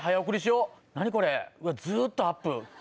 これ⁉ずっとアップ。